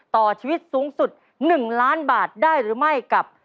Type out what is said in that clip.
ต่อชีวิตสูงสุด๑ล้านบาทได้หรือไม่กับ